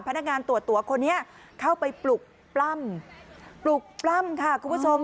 พนักงานตรวจตัวคนนี้เข้าไปปลุกปล้ำปลุกปล้ำค่ะคุณผู้ชม